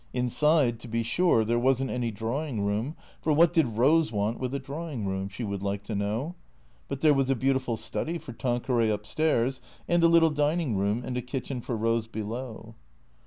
Inside, to be sure, there was n't any drawing room ; for what did Rose want with a draw ing room, she would like to know? But there was a beautiful study for Tanqueray up stairs, and a little dining room and a kitchen for Rose below.